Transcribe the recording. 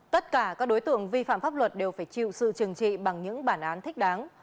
tất cả các đối tượng vi phạm pháp luật đều phải chịu sự trừng trị bằng những bản án thích đáng